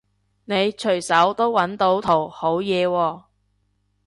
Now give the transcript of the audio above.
你隨手都搵到圖好嘢喎